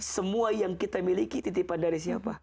semua yang kita miliki titipan dari siapa